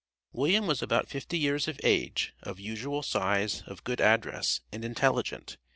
William was about fifty years of age, of usual size, of good address, and intelligent.